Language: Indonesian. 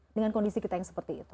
dengan kondisi kita yang seperti itu